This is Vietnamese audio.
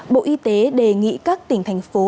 bộ y tế đề nghị các tỉnh thành phố